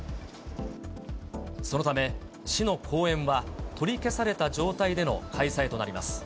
そのため、市の後援は取り消された状態での開催となります。